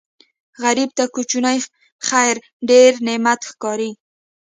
غریب ته کوچنی خیر ډېر نعمت ښکاري